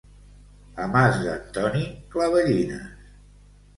A Mas d'en Toni, clavellines.